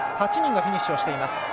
８人がフィニッシュをしています。